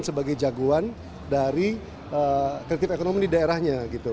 sebagai jagoan dari kreatif ekonomi di daerahnya gitu